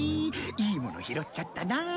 いいもの拾っちゃったな。